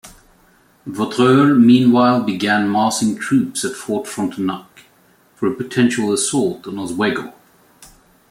Vaudreuil meanwhile began massing troops at Fort Frontenac for a potential assault on Oswego.